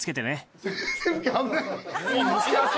危ない。